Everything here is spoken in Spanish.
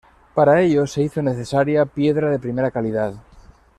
Para ello se hizo necesaria piedra de primera calidad.